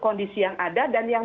kondisi yang ada dan yang